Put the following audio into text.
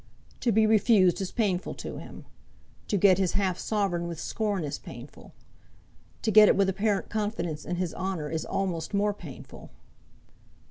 To be refused is painful to him. To get his half sovereign with scorn is painful. To get it with apparent confidence in his honour is almost more painful.